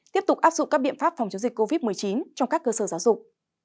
tiếp tục áp dụng các biện pháp phòng chống dịch covid một mươi chín trong các cơ sở giáo dục